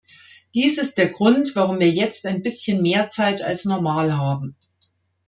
Dies ist der Grund, warum wir jetzt ein bisschen mehr Zeit als normal haben.